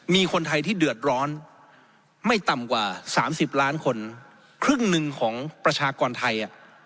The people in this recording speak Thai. มีคนไทยที่เดือดร้อนไม่ต่ำกว่า๓๐ล้านคนครึ่งหนึ่งของประชากรไทย